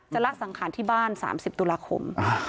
ละสังขารที่บ้าน๓๐ตุลาคม